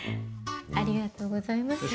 ありがとうございます。